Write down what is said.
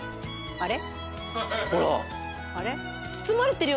あれ？